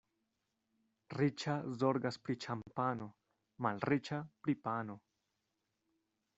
Riĉa zorgas pri ĉampano, malriĉa pri pano.